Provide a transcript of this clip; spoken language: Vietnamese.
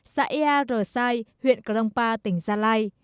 xã ea rờ sai huyện cronpa tỉnh gia lai